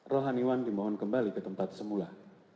rohaniwan dimohon kembali ke tempat semula